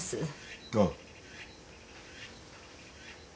ああ。